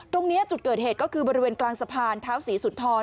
ตรงนี้จุดเกิดเหตุก็คือบริเวณกลางสะพานเท้าศรีสุนทร